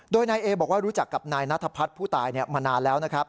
โดยนายเอบอกว่ารู้จักกับนายนัทพัฒน์ผู้ตายมานานแล้วนะครับ